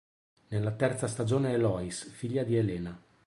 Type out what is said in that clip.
Nella terza stagione è Lois, figlia di Helena.